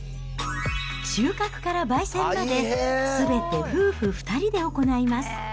収穫からばい煎まで、すべて夫婦２人で行います。